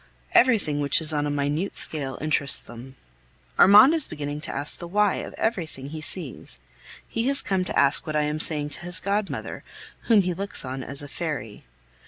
Everything which is on a minute scale interests them. Armand is beginning to ask the "why" of everything he sees. He has come to ask what I am saying to his godmother, whom he looks on as a fairy.